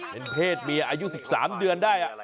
เป็นเพศเมียอายุ๑๓เดือนได้